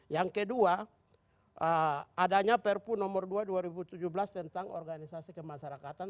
yang kedua adanya perpu nomor dua dua ribu tujuh belas tentang organisasi kemasyarakatan